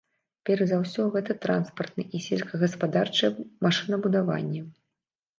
Перш за ўсё, гэта транспартны і сельскагаспадарчае машынабудаванне.